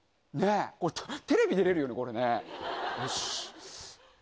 テレビ出れるよね、これね。